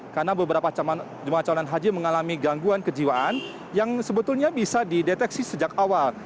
karena beberapa jemaah calon haji mengalami gangguan kejiwaan yang sebetulnya bisa dideteksi sejak awal